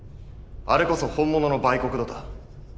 あれこそ本物の売国奴だ。